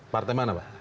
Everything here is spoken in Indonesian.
partai mana pak